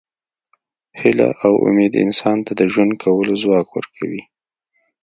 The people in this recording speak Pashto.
هیله او امید انسان ته د ژوند کولو ځواک ورکوي.